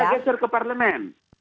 biar kita geser ke parlemen